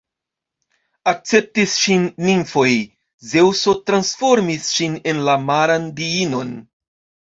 Akceptis ŝin nimfoj, Zeŭso transformis ŝin en la maran diinon.